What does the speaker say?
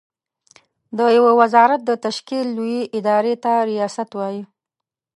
د يوه وزارت د تشکيل لويې ادارې ته ریاست وايې.